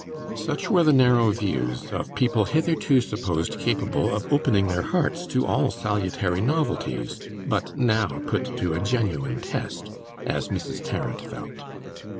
Such were the narrow views of people hitherto supposed capable of opening their hearts to all salutary novelties, but now put to a genuine test, as Mrs. Tarrant felt.